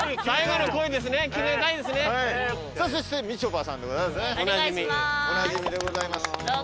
さあそしてみちょぱさんでございますね。